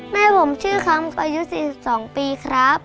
แม่ผมชื่อคำอายุ๔๒ปีครับ